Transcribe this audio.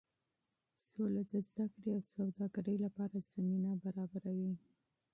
سوله د زده کړې او سوداګرۍ لپاره زمینه برابروي.